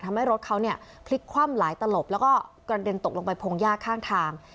ทำให้รถเขาเนี่ยพลิกคว่ำหลายตลบแล้วก็กระเด็นตกลงไปพงหญ้าข้างทาง